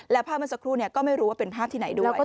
และภาพเมื่อสักครู่ก็ไม่รู้ว่าเป็นภาพที่ไหนด้วย